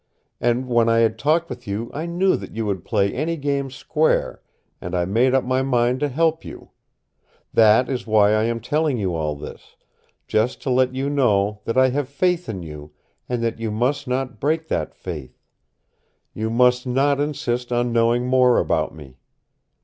And when I had talked with you I knew that you would play any game square, and I made up my mind to help you. That is why I am telling you all this just to let you know that I have faith in you, and that you must not break that faith. You must not insist on knowing more about me.